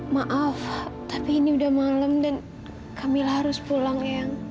maaf tapi ini udah malam dan kamilah harus pulang eyang